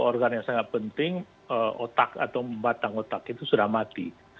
organ yang sangat penting otak atau batang otak itu sudah mati